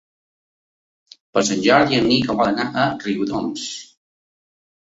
Per Sant Jordi en Nico vol anar a Riudoms.